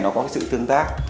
nó có sự tương tác